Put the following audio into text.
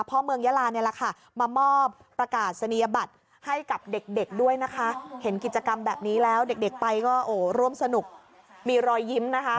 เพราะเมืองยะลาเนี่ยมะมอบประกาศสันิยบัติให้กับเด็กด้วยนะคะ